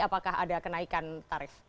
apakah ada kenaikan tarif